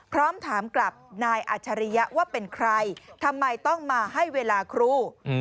พร้อมถามกลับนายอัจฉริยะว่าเป็นใครทำไมต้องมาให้เวลาครู